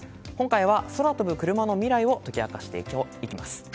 今回は、空飛ぶクルマの未来を解き明かしていきます。